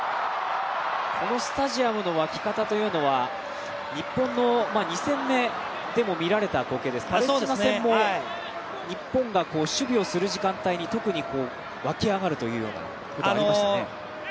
このスタジアムの沸き方というのは日本の２戦目でも見られた光景です日本が守備をする時間帯に特に沸き上がる場面がありましたね。